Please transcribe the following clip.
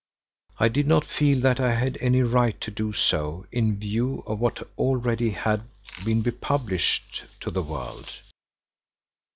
I did not feel that I had any right to do so in view of what already had been published to the world.